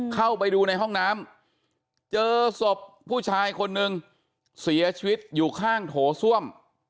เข้าไปดูในห้องน้ำเจอศพผู้ชายคนนึงเสียชีวิตอยู่ข้างโถส้วม